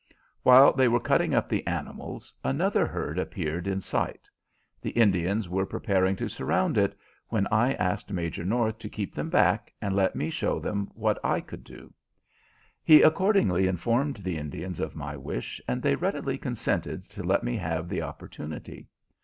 While they were cutting up the animals another herd appeared in sight. The Indians were preparing to surround it, when I asked Major North to keep them back and let me show them what I could do. He accordingly informed the Indians of my wish, and they readily consented to let me have the opportunity.